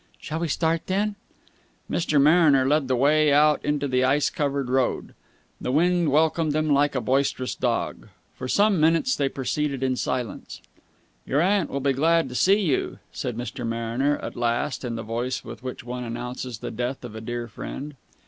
"Shall we start, then?" Mr. Mariner led the way out into the ice covered road. The wind welcomed them like a boisterous dog. For some minutes they proceeded in silence. "Your aunt will be glad to see you," said Mr. Mariner at last in the voice with which one announces the death of a dear friend.